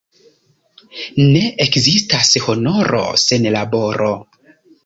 Ne ekzistas honoro sen laboro.